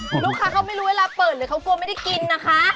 คุณลูกค้าเขาไม่รู้เวลาเปิดหรือเขากลัวไม่ได้กินนะคะ